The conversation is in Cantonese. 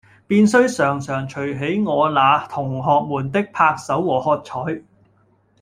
便須常常隨喜我那同學們的拍手和喝采。